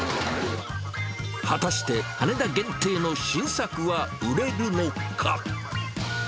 果たして、羽田限定の新作は売れるのか。